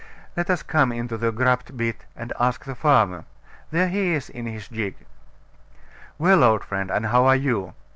Let us come into the grubbed bit, and ask the farmer there he is in his gig. Well, old friend, and how are you?